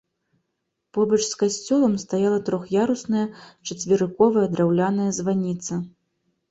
Побач з касцёлам стаяла трох'ярусная чацверыковая драўляная званіца.